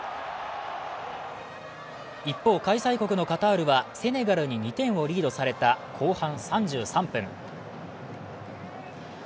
一方、開催国のカタールはセネガルに２点をリードされた後半３３分。